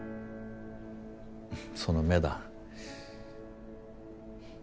その目だ。